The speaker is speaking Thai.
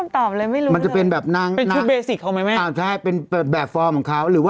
แต่หนุ่มเป็นคนสัมภาษณ์กับฉันเองอยู่